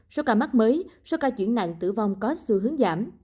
số ca mắc mới số ca chuyển nặng tử vong có sự hướng giảm